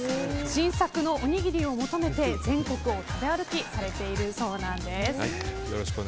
新作のおにぎりを求めて全国を食べ歩きされているそうなんです。